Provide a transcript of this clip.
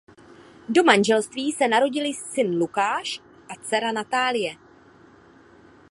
Do manželství se narodili syn Lukáš a dcera Natálie.